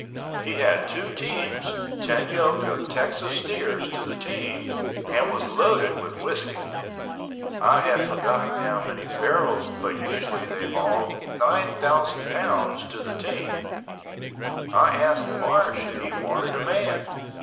He had two teams (10 yoke of Texas steers to the team) and was loaded with whiskey—I have forgotten how many barrels but they usually hauled 9,000 pounds to the team. I asked Marsh if he wanted a man.